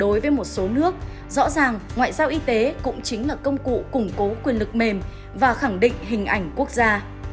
đối với một số nước rõ ràng ngoại giao y tế cũng chính là công cụ củng cố quyền lực mềm và khẳng định hình ảnh quốc gia